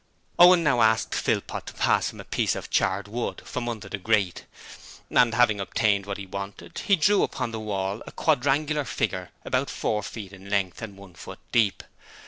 Owen now asked Philpot to pass him a piece of charred wood from under the grate, and having obtained what he wanted, he drew upon the wall a quadrangular figure about four feet in length and one foot deep.